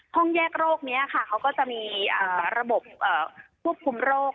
ห้องแยกโรคนี้ค่ะเขาก็จะมีระบบควบคุมโรค